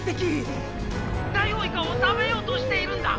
「ダイオウイカを食べようとしているんだ！」。